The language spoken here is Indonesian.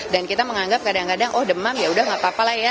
dan kita menganggap kadang kadang oh demam yaudah gak apa apa lah ya